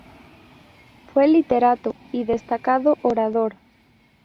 Fue literato y destacado orador.